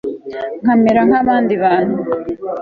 nkamera nk'abandi bantu